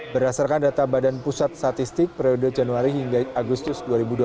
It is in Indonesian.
berdasarkan data badan pusat statistik periode januari hingga agustus dua ribu dua puluh